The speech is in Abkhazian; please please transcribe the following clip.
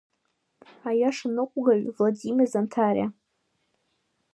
Аиашаныҟәгаҩ Владимир Занҭариа.